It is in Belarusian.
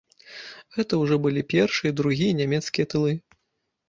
Гэта ўжо былі першыя і другія нямецкія тылы.